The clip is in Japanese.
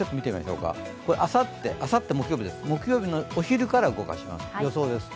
あさって木曜日のお昼から動かします、予想です。